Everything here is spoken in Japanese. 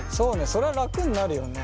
それは楽になるよね。